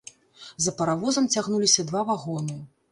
За паравозам цягнуліся два вагоны.